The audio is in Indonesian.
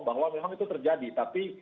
bahwa memang itu terjadi tapi